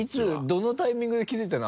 どのタイミングで気づいたの？